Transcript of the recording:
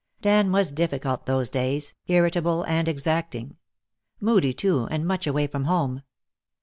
Dan was difficult those days, irritable and exacting. Moody, too, and much away from home.